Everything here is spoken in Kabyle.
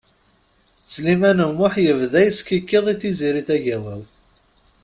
Sliman U Muḥ yebda yeskikiḍ i Tiziri Tagawawt.